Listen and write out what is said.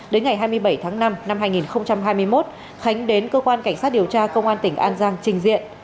đến ngày hai mươi bảy tháng năm năm hai nghìn hai mươi một khánh đến cơ quan cảnh sát điều tra công an tỉnh an giang trình diện